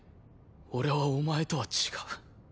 俺はお前とは違う。